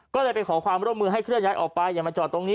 ก็เลยไปขอความร่วมมือให้เคลื่อนย้ายออกไป